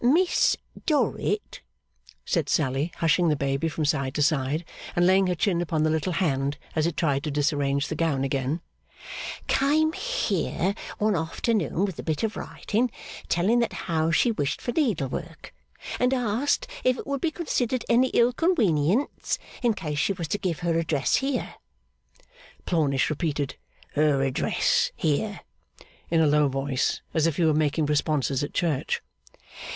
'Miss Dorrit,' said Sally, hushing the baby from side to side, and laying her chin upon the little hand as it tried to disarrange the gown again, 'came here one afternoon with a bit of writing, telling that how she wished for needlework, and asked if it would be considered any ill conwenience in case she was to give her address here.' (Plornish repeated, her address here, in a low voice, as if he were making responses at church.)